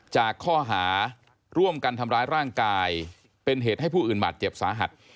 จากข้อหาร่วมกันทำร้ายร่างกายเป็นเหตุให้ผู้อื่นบาดเจ็บสาหัส